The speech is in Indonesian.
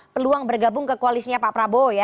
peluang bergabung ke koalisnya pak prabowo ya